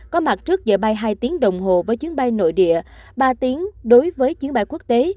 có mặt trước giờ bay hai tiếng đồng hồ với chuyến bay nội địa ba tiếng đối với chuyến bay quốc tế